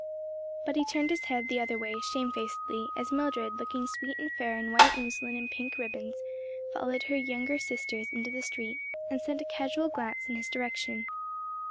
But he turned his head the other way, shamefacedly, as Mildred, looking sweet and fair in white muslin and pink ribbons, followed her younger sisters into the street, and sent a casual glance in his direction.